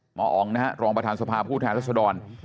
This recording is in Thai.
หมออ๋องนะฮะรองประธานสภาผู้แทนรัศดร